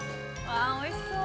◆ああ、おいしそう。